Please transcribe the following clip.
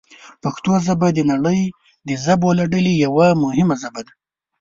پښتو ژبه د نړۍ د ژبو له ډلې یوه مهمه ژبه ده.